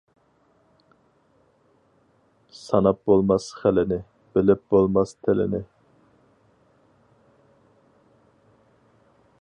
ساناپ بولماس خىلىنى، بىلىپ بولماس تىلىنى.